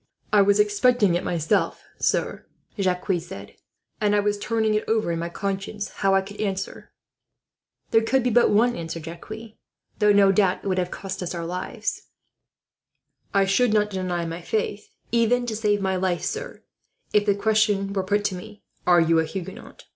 "I was expecting it myself, sir," Jacques said; "and I was just turning it over in my conscience, how I could answer." "There could be but one answer, Jacques; though no doubt it would have cost us our lives." "I should not deny my faith, even to save my life, sir, if the question were put to me: 'Are you a Huguenot?'